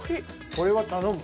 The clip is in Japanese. これは頼む。